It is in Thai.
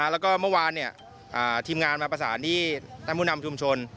แล้วก็เมื่อวานทีมงานมาประสานที่ท่านผู้นำชุมชน